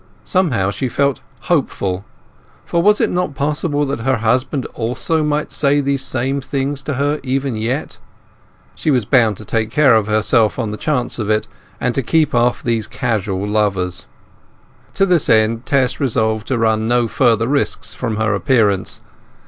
Somehow she felt hopeful, for was it not possible that her husband also might say these same things to her even yet? She was bound to take care of herself on the chance of it, and keep off these casual lovers. To this end Tess resolved to run no further risks from her appearance.